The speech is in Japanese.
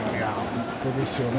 本当ですよね。